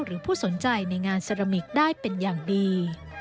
หรือผู้สนใจในงานเซรามิกได้เป็นอย่างดี